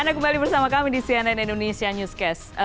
anda kembali bersama kami di cnn indonesia newscast